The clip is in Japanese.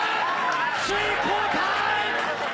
首位交代！